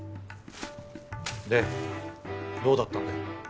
でどうだったんだよ？